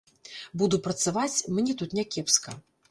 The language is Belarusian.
Буду працаваць, мне тут не кепска.